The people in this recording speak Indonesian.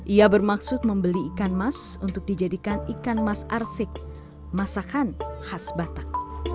ia bermaksud membeli ikan mas untuk dijadikan ikan mas arsik masakan khas batak